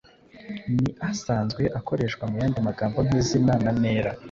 ni asanzwe akoreshwa mu yandi magambo nk’izina na ntera.